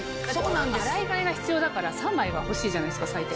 洗い替えが必要だから３枚は欲しいじゃないですか最低。